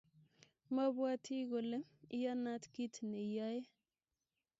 Mabwati ale iyanat kit ne i yoe.